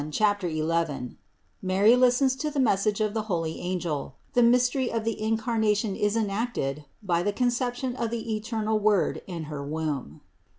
CHAPTER XL MARY LISTENS TO THE MESSAGE OF THE HOLY ANGEL; THE MYSTERY OF THE INCARNATION IS ENACTED BY THE CONCEPTION OF THE ETERNAL WORD IN HER WOMB.